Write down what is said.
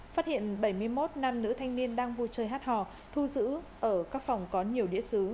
phát hiện bảy mươi một nam nữ thanh niên đang vui chơi hát hò thu giữ ở các phòng có nhiều đĩa xứ